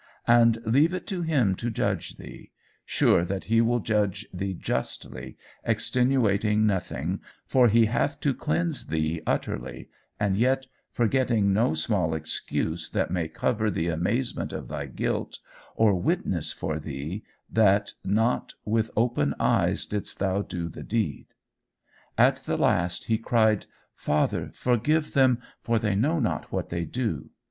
And leave it to him to judge thee sure that he will judge thee justly, extenuating nothing, for he hath to cleanse thee utterly, and yet forgetting no smallest excuse that may cover the amazement of thy guilt, or witness for thee that not with open eyes didst thou do the deed. At the last he cried, Father forgive them, for they know not what they do.